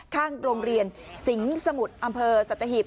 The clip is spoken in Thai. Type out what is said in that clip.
ข้างโรงเรียนสิงห์สมุทรอำเภอสัตหีบ